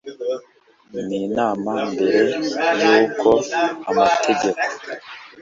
ni mana, mbere y'uko amategeko